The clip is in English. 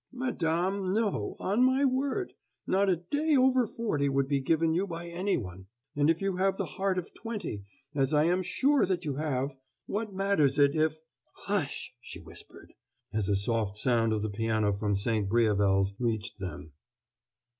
"Madam, no, on my word! not a day over forty would be given you by anyone! And if you have the heart of twenty, as I am sure that you have, what matters it if " "Hush!" she whispered, as a soft sound of the piano from "St. Briavels" reached them.